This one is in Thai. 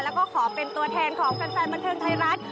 แล้วก็ขอเป็นตัวแทนของแฟนบันเทิงไทยรัฐ